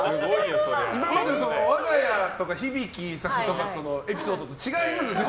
今まで、我が家とか響さんとかとのエピソードと違いますね。